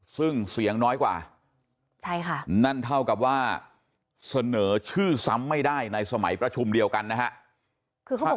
ซึ่งเสียงน้อยกว่าใช่ค่ะนั่นเท่ากับว่าเสนอชื่อซ้ำไม่ได้ในสมัยประชุมเดียวกันนะฮะ